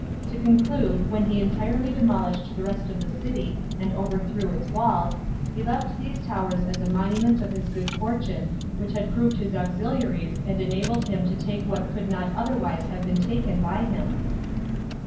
To conclude, when he entirely demolished the rest of the city, and overthrew its walls, he left these towers as a monument of his good fortune, which had proved his auxiliaries, and enabled him to take what could not otherwise have been taken by him.